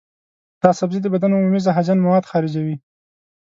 دا سبزی د بدن عمومي زهرجن مواد خارجوي.